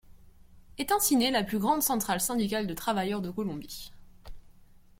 Est ainsi née la plus grande centrale syndicale de travailleurs de Colombie.